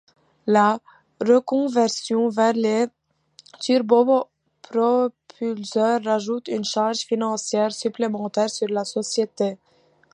La reconversion vers les turbopropulseurs rajoute une charge financière supplémentaire sur la société.